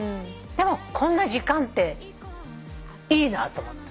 でもこんな時間っていいなと思った。